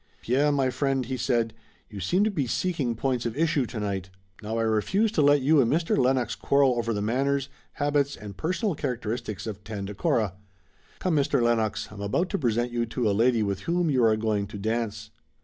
"Pierre, my friend," he said, "you seem to be seeking points of issue tonight. Now, I refuse to let you and Mr. Lennox quarrel over the manners, habits and personal characteristics of Tandakora. Come, Mr. Lennox, I'm about to present you to a lady with whom you are going to dance."